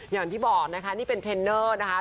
อย่างที่บอกนะคะนี่เป็นเทรนเนอร์นะคะ